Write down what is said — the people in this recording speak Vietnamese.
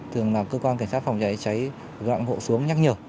thường là cơ quan cảnh sát phòng cháy cháy cơ nạn hộ xuống nhắc nhở